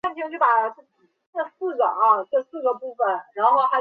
托特纳姆谷站现在正在安装自动月台门。